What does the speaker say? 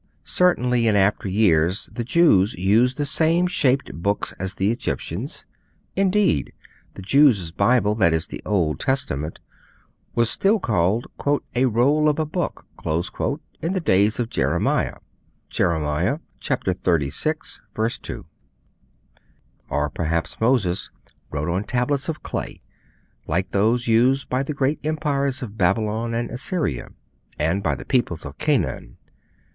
Certainly in after years the Jews used the same shaped books as the Egyptians. Indeed, the Jews' Bible that is, the Old Testament was still called 'a roll of a book' in the days of Jeremiah. (Jeremiah xxxvi. 2.) Or perhaps Moses wrote on tablets of clay like those used by the great empires of Babylon and Assyria, and by the people of Canaan.